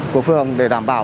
của phường để đảm bảo